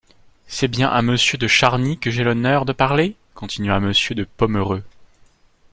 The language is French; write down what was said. C'est bien à monsieur de Charny que j'ai l'honneur de parler ? continua Monsieur de Pomereux.